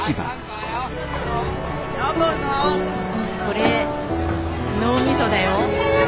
これ脳みそだよ。